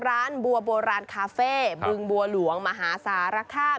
ร้านบัวบัวร้านคาเฟ่บึงบัวหลวงมหาศาลค่ำ